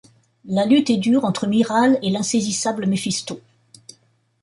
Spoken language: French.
La lutte est dure entre Miral et l'insaisissable Méphisto.